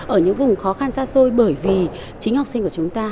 ở những vùng khó khăn xa xôi bởi vì chính học sinh của chúng ta